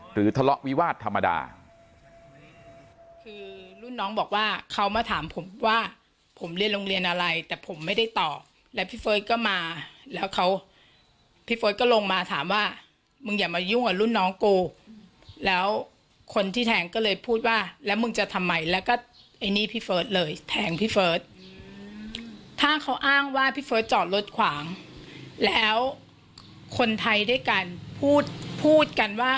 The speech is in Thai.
ทะเลาะวิวาสธรรมดา